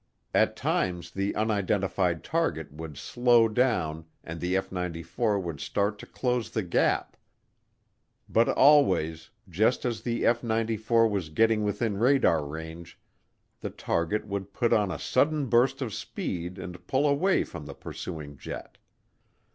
At times the unidentified target would slow down and the F 94 would start to close the gap, but always, just as the F 94 was getting within radar range, the target would put on a sudden burst of speed and pull away from the pursuing jet.